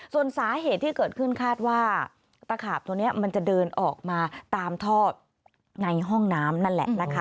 ส่วนสาเหตุที่เกิดขึ้นคาดว่าตะขาบตัวนี้มันจะเดินออกมาตามท่อในห้องน้ำนั่นแหละนะคะ